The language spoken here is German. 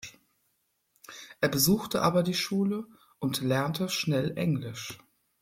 Er besuchte aber die Schule und lernte schnell Englisch.